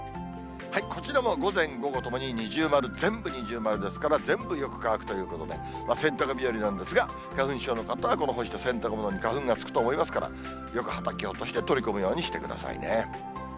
こちらも午前、午後ともに二重丸、全部二重丸ですから、全部よく乾くということで、洗濯日和なんですが、花粉症の方はこの干した洗濯物に花粉がつくと思いますから、よくはたき落として取り込むようにしてくださいね。